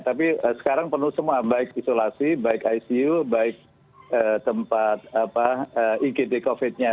tapi sekarang penuh semua baik isolasi baik icu baik tempat igd covid nya